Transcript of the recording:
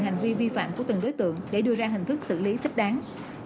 hành vi vi phạm của từng đối tượng để đưa ra hình thức xử lý thích đáng